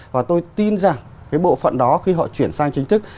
và tôi tin rằng cái bộ phận đó khi họ chuyển sang chính thức